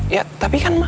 ya tapi kan ma